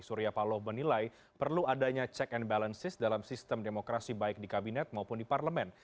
surya paloh menilai perlu adanya check and balances dalam sistem demokrasi baik di kabinet maupun di parlemen